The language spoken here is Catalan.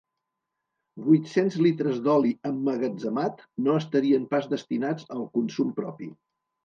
Vuit-cents litres d'oli emmagatzemat no estarien pas destinats al consum propi.